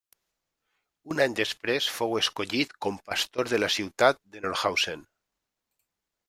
Un any després fou escollit com pastor de la ciutat de Nordhausen.